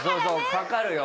かかるよ